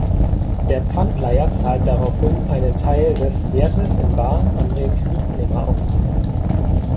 Der Pfandleiher zahlt daraufhin einen Teil des Wertes in bar an den Kreditnehmer aus.